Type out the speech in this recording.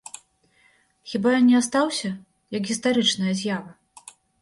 Хіба ён не астаўся, як гістарычная з'ява?